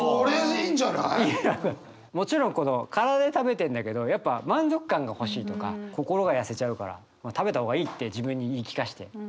もちろんこの体で食べてるんだけどやっぱ満足感が欲しいとか「心がやせちゃうから食べたほうがいい」って自分に言い聞かせて。